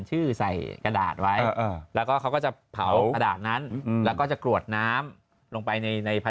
นี่เธอทำบ่อยมั้ยทำทุกปีป่ะ